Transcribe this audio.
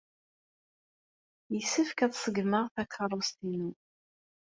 Yessefk ad d-ṣeggmeɣ takeṛṛust-inu.